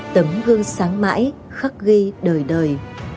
tấm gương sáng mãi khắc ghi đời đời